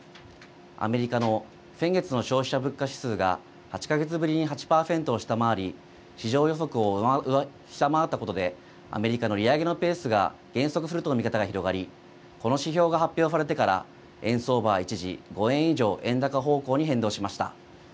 アメリカの先月の消費者物価指数が８か月ぶりに８％を下回り市場予測を下回ったことでアメリカの利上げのペースが減速するとの見方が広がりこの指標が発表されてから円相場は一時、５円以上円高方向に変動しました。